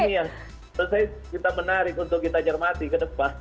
terus saya menarik untuk kita cermati ke depan